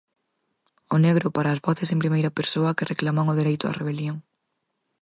O negro para as voces en primeira persoa que reclaman o dereito á rebelión.